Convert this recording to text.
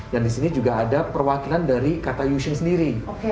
dan di sini juga ada perwakilan dari kata yuxing sendiri